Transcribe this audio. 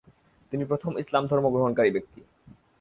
তিনি প্রথম ইসলাম ধর্ম গ্রহণকারী ব্যক্তি।